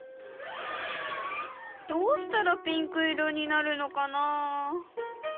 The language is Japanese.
どうしたらピンク色になるのかな。